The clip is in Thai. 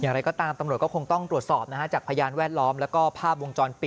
อย่างไรก็ตามตำรวจก็คงต้องตรวจสอบจากพยานแวดล้อมแล้วก็ภาพวงจรปิด